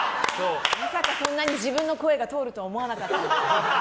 まさかそんなに自分の声が通るとは思わなかった。